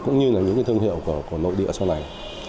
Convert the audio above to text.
cũng như là những thương hiệu của nội địa sau này